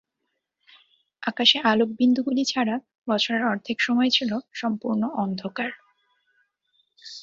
আকাশে আলোক বিন্দুগুলি ছাড়া, বছরের অর্ধেক সময় ছিল সম্পূর্ণ অন্ধকার।